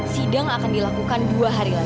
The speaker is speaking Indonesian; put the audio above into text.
sidang akan dilakukan dua hari lagi